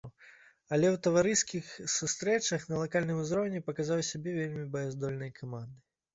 Але ў таварыскіх сустрэчах на лакальным узроўні паказаў сябе вельмі баяздольнай камандай.